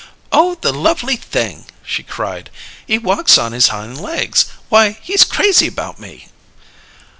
"Oh, the lovely thing!" she cried. "He walks on his hind legs! Why, he's crazy about me!"